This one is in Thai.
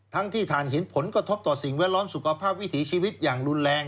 ทั้งที่ฐานเห็นผลกระทบต่อสิ่งแวดล้อมสุขภาพวิถีชีวิตอย่างรุนแรง